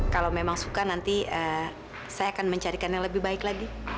kalau memang suka nanti saya akan mencarikan yang lebih baik lagi